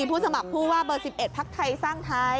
ผู้สมัครผู้ว่าเบอร์๑๑พักไทยสร้างไทย